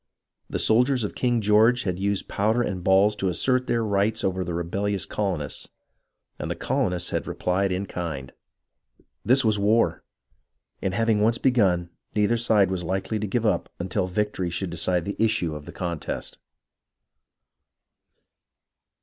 The soldiers of King George had used powder and balls to assert their rights over the rebellious colonists, and the colonists had replied in kind. This was war, and having once begun, neither side was hkely to give up until victory should decide the issue of the contest.